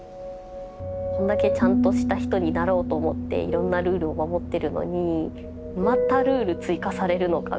こんだけちゃんとした人になろうと思っていろんなルールを守ってるのにまたルール追加されるのか！